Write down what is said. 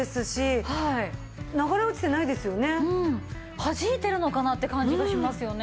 はじいてるのかなって感じがしますよね。